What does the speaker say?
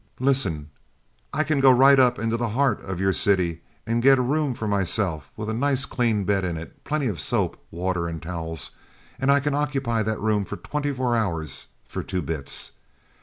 Listen! I can go right up into the heart of your city and get a room for myself, with a nice clean bed in it, plenty of soap, water, and towels, and I can occupy that room for twenty four hours for two bits.